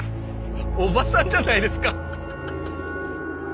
おばさんじゃないですか！